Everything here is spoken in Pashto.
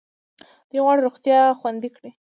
دوی غواړي روغتیا خوندي کړي.